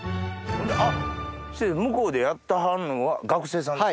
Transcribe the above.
あっ向こうでやってはんのは学生さんですか？